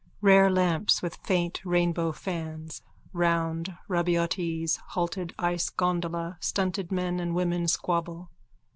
Rare lamps with faint rainbow fans. Round Rabaiotti's halted ice gondola stunted men and women squabble.